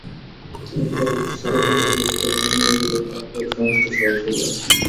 একবার সারেগামার বোধটা জন্মিয়া গেলেই তাহার পরে সমস্ত সহজ হইয়া আসে।